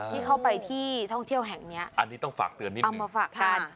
ที่เข้าไปที่ท่องเที่ยวแห่งนี้อันนี้ต้องฝากเตือนนิดนึงเอามาฝากกัน